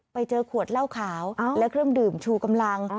ไปเจอขวดเหล้าขาวและเครื่องดื่มชูกำลัง